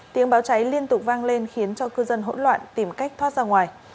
tiếng báo cháy liên tục vang lên khiến cho cư dân hỗn loạn tìm cách thoát ra ngoài